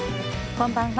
こんばんは。